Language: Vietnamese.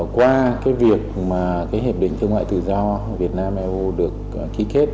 qua việc hiệp định thương mại tự do việt nam eu được ký kết